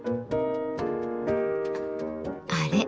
あれ？